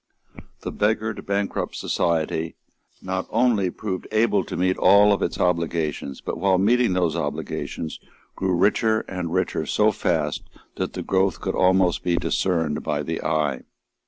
The beggared, the bankrupt society not only proved able to meet all its obligations, but, while meeting those obligations, grew richer and richer so fast that the growth could almost be discerned by the eye.